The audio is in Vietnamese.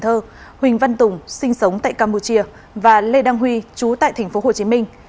huỳnh văn tùng sinh sống tại campuchia và lê đăng huy chú tại tp hcm